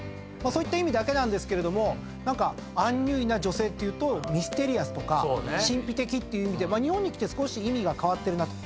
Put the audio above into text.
そういった意味だけですけど何かアンニュイな女性っていうとミステリアスとか神秘的っていう意味で日本に来て少し意味が変わってるなと。